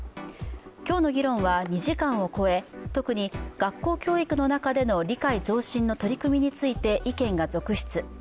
今日の議論は２時間を超え、特に学校教育の中での理解増進の取り組みについて、意見が続出。